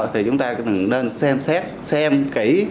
thì chúng ta cũng nên xem xét xem kỹ